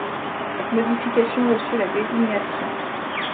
Cette modification reçut la désignation '.